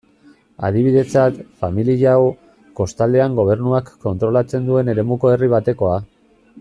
Adibidetzat, familia hau, kostaldean gobernuak kontrolatzen duen eremuko herri batekoa.